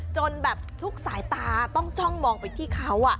จนแบบทุกสายตาต้องจ้องมองไปที่เขา